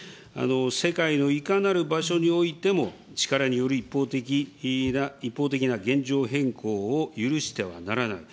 世界のいかなる場所においても、力による一方的な現状変更を許してはならない。